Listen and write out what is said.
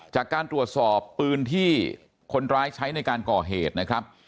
จากการตรวจสอบปืนที่คนร้ายใช้ในการก่อเหตุนะครับ